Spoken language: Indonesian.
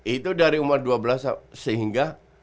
itu dari umur dua belas sehingga